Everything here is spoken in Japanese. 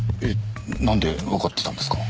なんでわかってたんですか？